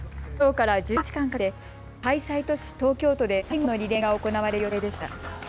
きょうから１５日間かけて開催都市、東京都で最後のリレーが行われる予定でした。